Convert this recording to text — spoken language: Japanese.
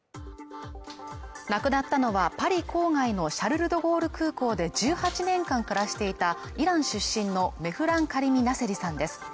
亡くなったのはパリ郊外のシャルル・ド・ゴール空港で１８年間暮らしていたイラン出身のメフラン・カリミ・ナセリさんです